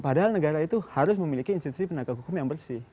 padahal negara itu harus memiliki institusi penegak hukum yang bersih